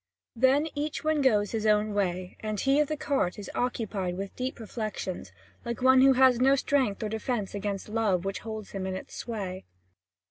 Then each one goes his own way, and he of the cart is occupied with deep reflections, like one who has no strength or defence against love which holds him in its sway.